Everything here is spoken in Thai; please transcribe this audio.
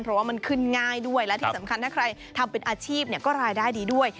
เพราะว่ามันขึ้นง่ายด้วยและที่สำคัญถ้าใครทำเป็นอาชีพก็รายได้ดีด้วย